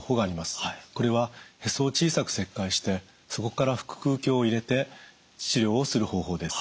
これはへそを小さく切開してそこから腹腔鏡を入れて治療をする方法です。